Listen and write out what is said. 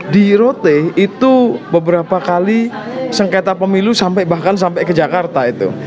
di rote itu beberapa kali sengketa pemilu sampai bahkan sampai ke jakarta itu